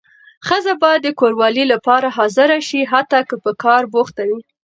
ښځه باید د کوروالې لپاره حاضره شي حتی که په کار بوخته وي.